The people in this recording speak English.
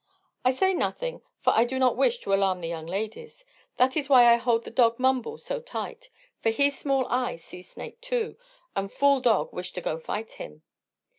I say nothing, for I do not wish to alarm the young ladies. That is why I hold the dog Mumble so tight, for he small eye see snake too, an' fool dog wish to go fight him.